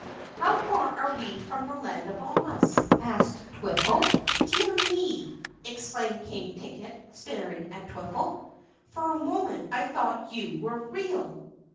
"How far are we from the Land of Oz?" asked Twiffle. "Dear me!" exclaimed King Ticket staring at Twiffle. "For a moment I thought you were real!"